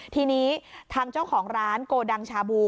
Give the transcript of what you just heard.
ทีนี้ทางเจ้าของร้านโกดังชาบู